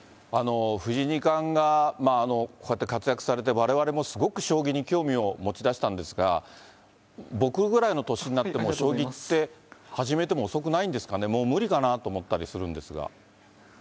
藤井二冠がこうやって活躍されて、われわれもすごく将棋に興味を持ちだしたんですが、僕ぐらいの年になっても、将棋って始めても遅くないんですかね、もう無理かなと思ったりするんですが。